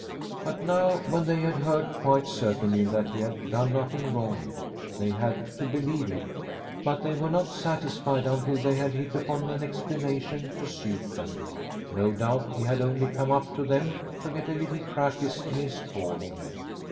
But now when they had heard quite certainly that he had done nothing wrong, they had to believe it. But they were not satisfied until they had hit upon an explanation to suit them. No doubt he had only come up to them to get a little practice in his calling.